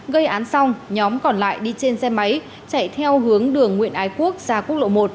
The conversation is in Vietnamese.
gây án xong nhóm còn lại đi trên xe máy chạy theo hướng đường nguyễn ái quốc ra quốc lộ một